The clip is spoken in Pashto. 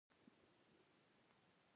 د احمد کره ورغلوو؛ وريځې يې وځړولې.